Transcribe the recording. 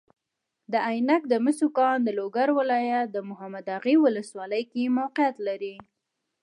د عینک د مسو کان د لوګر ولایت محمداغې والسوالۍ کې موقیعت لري.